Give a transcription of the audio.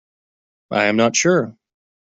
I am not sure.